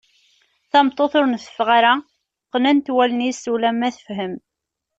Tameṭṭut ur nteffeɣ ara qqnent wallen-is ulamma tefhem.